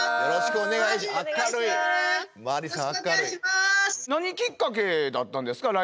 よろしくお願いします。